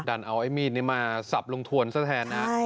ดันเอาไอ้มีดนี้มาสับลุงทวนซะแทนนะ